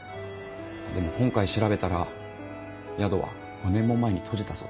でも今回調べたら宿は５年も前に閉じたそうです。